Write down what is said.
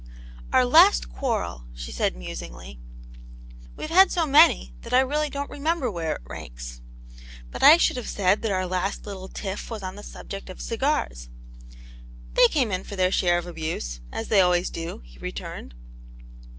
" Our last quarrel/* she said, musingly —" v\reVe had so many that I really don't remember where it ranks. But I should have said that our last little tiff* was on the subject of cigars." "They came in for their share of abuse, as they always do," he returned.